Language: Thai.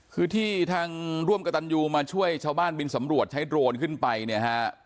คือที่ทางร่วมกับตันยูมาช่วยชาวบ้านบินสำรวจใช้โดรนขึ้นไปเนี่ยฮะ